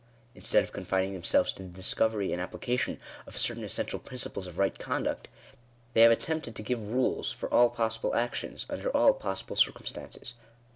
Instead of confining themselves to the discovery and application of certain essential principles of right conduct, they have attempted to give rules for all possible actions, under all possible circumstances.